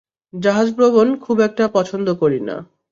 জাহাজভ্রমন খুব একটা পছন্দ করি না।